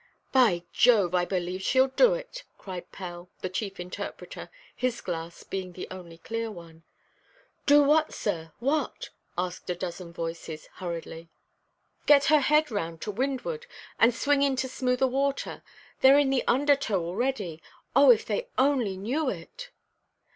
"By Jove, I believe sheʼll do it!" cried Pell, the chief interpreter, his glass being the only clear one. "Do what, sir? what?" asked a dozen voices, hurriedly. "Get her head round to windward, and swing into smoother water. Theyʼre in the undertow already. Oh, if they only knew it!"